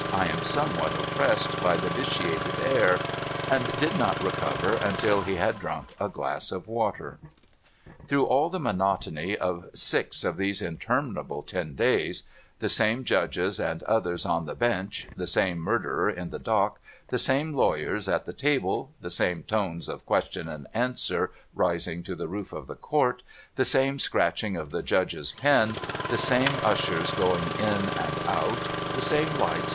I am somewhat oppressed by the vitiated air ;' and did not recover until he had drunk a glass of water. Through all the monotony of six of those interminable ten days, — the same Judges and others on the bench, the same Murderer in the dock, the same lawyers at the table, the same tones of question and answer rising to the roof of the court, the same scratching of the Judge's pen, the same ushers going in and out, the same lights I'.